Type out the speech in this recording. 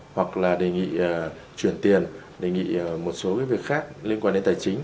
hoặc là đề nghị truyền tiền đề nghị một số việc khác liên quan đến tài chính